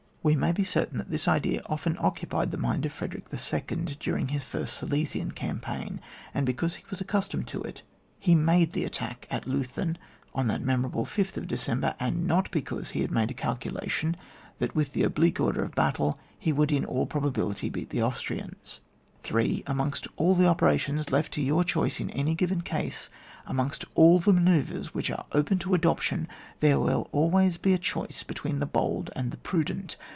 We may be certain that this idea often occupied the mind of Frederick II. during his first Silesian campaign; and because he was accustomed to it he made the attack at Leuthen on that memor able 5th December, and not because he had made a calculation that with the oblique order of battle he would in all probability beat the Austrians. 3. Amongst all the operations left to your choice in any given case, amongst all the measures which are open to adop tion, there will always be a choice be tween the bold and the prudent.